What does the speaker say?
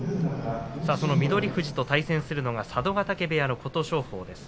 その翠富士と対戦するのが佐渡ヶ嶽部屋の琴勝峰です。